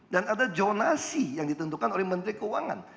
dan ada jonasi yang ditentukan oleh menteri keuangan